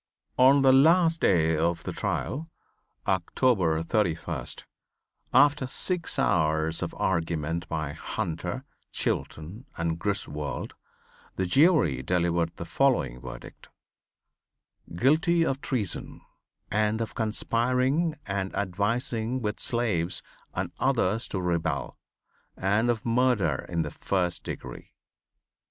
On the last day of the trial, October 31st, after six hours of argument by Hunter, Chilton and Griswold, the jury delivered the following verdict: "Guilty of treason, and of conspiring and advising with slaves and others to rebel; and of murder in the first degree."